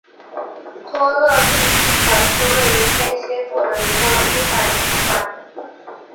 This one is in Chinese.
托勒密星团是位于天蝎座的一个疏散星团。